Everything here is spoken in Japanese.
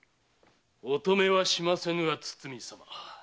お止めはしませんが堤様。